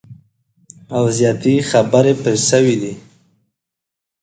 او زیاتي خبري پر سوي دي